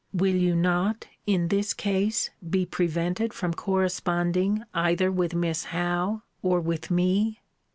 Will you not, in this case, be prevented from corresponding either with Miss Howe, or with me?